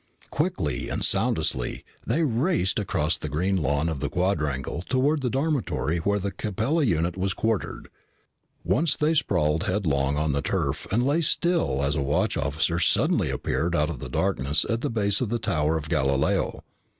Quickly and soundlessly, they raced across the green lawn of the quadrangle toward the dormitory where the Capella unit was quartered. Once they sprawled headlong on the turf and lay still as a watch officer suddenly appeared out of the darkness at the base of the Tower of Galileo.